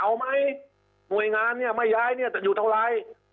เอาไหมหน่วยงานเนี่ยไม่ย้ายเนี่ยจะอยู่เท่าไร